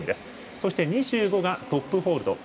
そして、２５がトップホールド。